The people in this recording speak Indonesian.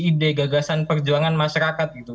ide gagasan perjuangan masyarakat gitu